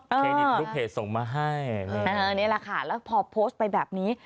เครดิตลูกเพจส่งมาให้นี่แหละค่ะแล้วพอโพสต์ไปแบบนี้